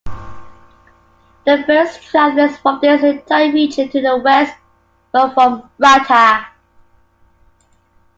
The first travelers from this entire region to the west were from Ratta.